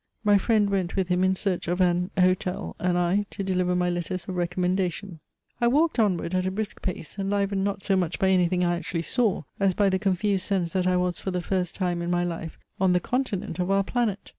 My friend went with him in search of an hotel, and I to deliver my letters of recommendation. I walked onward at a brisk pace, enlivened not so much by anything I actually saw, as by the confused sense that I was for the first time in my life on the continent of our planet.